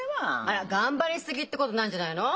あら頑張りすぎってことないんじゃないの？